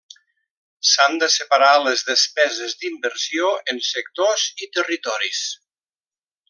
S'han de separar les despeses d'inversió en sectors i territoris.